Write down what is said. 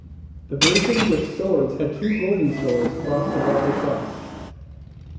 The version with Swords had two golden swords crossed above the cross.